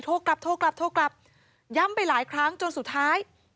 กลับโทรกลับโทรกลับย้ำไปหลายครั้งจนสุดท้าย